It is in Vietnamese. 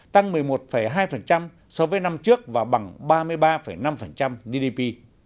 tăng một mươi một hai so với năm trước và bằng ba mươi ba năm gdp